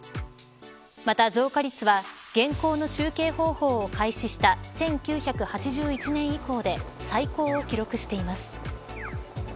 また増加率は現行の集計方法を開始した１９８１年以降で最高を記録しています。